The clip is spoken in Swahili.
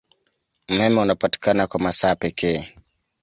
Umeme unapatikana kwa masaa pekee.